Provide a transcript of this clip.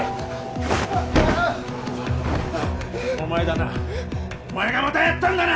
あああっあああお前だなお前がまたやったんだな！